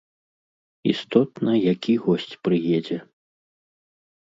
Істотна, які госць прыедзе.